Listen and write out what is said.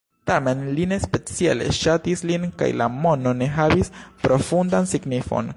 Tamen, li ne speciale ŝatis lin kaj la nomo ne havis profundan signifon.